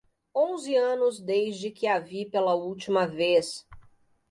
Onze anos desde que a vi pela última vez